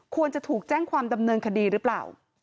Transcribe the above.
ควรจะถูกแจ้งความดำเนินคดีหรือเปล่า